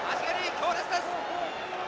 強烈です。